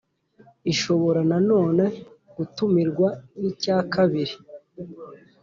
Ishobora na none gutumirwa n icyakabiri